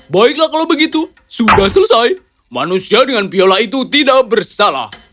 baiklah kalau begitu sudah selesai manusia dengan piola itu tidak bersalah